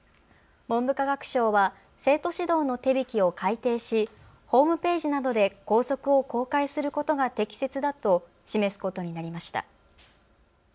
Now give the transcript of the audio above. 文部科学省は生徒指導の手引を改訂しホームページなどで校則を公開することが適切だと示すことになりました。